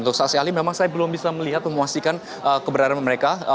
untuk saksi ahli memang saya belum bisa melihat memuaskan keberadaan mereka